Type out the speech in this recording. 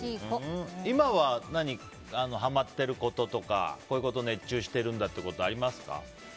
今ははまってることとかこういうことに熱中してるんだということありますか？